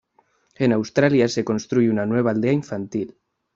En Australia se construye una nueva Aldea Infantil.